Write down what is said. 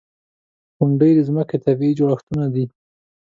• غونډۍ د ځمکې طبعي جوړښتونه دي.